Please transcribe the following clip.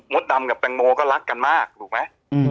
ดำกับแตงโมก็รักกันมากถูกไหม